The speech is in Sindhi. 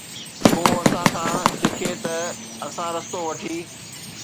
ڪو اسان کان سکي ته آسان رستو وٺي.